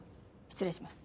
失礼します。